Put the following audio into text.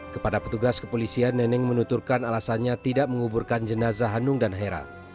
kepada petugas kepolisian neneng menuturkan alasannya tidak menguburkan jenazah hanung dan hera